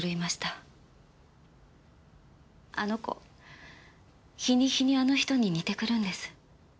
あの子日に日にあの人に似てくるんです。